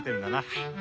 はい。